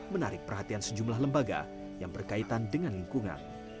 menarik perhatian sejumlah lembaga yang berkaitan dengan lingkungan